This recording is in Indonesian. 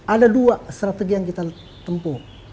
ada dua strategi yang kita tempuh